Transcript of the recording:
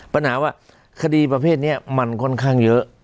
ปัญหาว่าคดีประเภทนี้มันค่อนข้างเยอะ